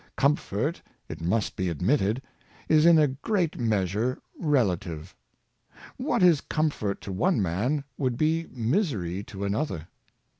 Comfort, it must be admitted, is in a great measure relative. What is comfort to one man would be misery to another.